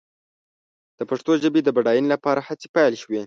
د پښتو ژبې د بډاینې لپاره هڅې پيل شوې.